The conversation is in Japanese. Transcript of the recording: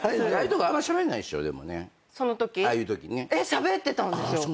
しゃべってたんですよ！